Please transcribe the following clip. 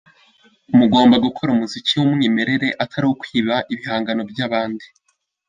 Mugomba gukora umuziki w’umwimerere atari ukwiba ibihangano by’abandi.